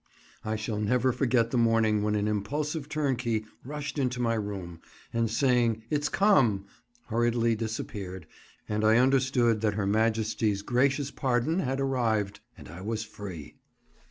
I shall never forget the morning when an impulsive turnkey rushed into my room, and saying, "It's come!" hurriedly disappeared, and I understood that her Majesty's gracious pardon had arrived, and I was free.